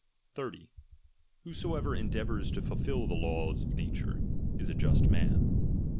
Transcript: SO. Whosoever endeavours to fulfil the laws of nature, is a just man.